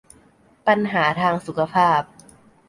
ปัญหาทางสุขภาพ